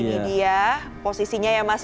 ini dia posisinya ya mas